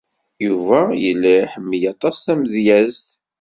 Yuba yella iḥemmel aṭas tamedyazt.